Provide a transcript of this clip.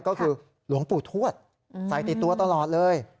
ก็คือหลวงปู่ทวดใส่ติดตัวตลอดเลย